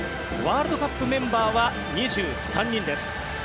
ワールドカップメンバーは２３人です。